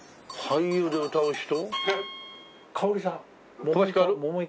俳優で歌う人。